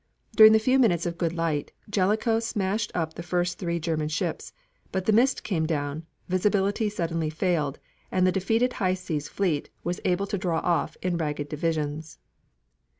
During the few minutes of good light Jellicoe smashed up the first three German ships, but the mist came down, visibility suddenly failed, and the defeated High Seas Fleet was able to draw off in ragged divisions.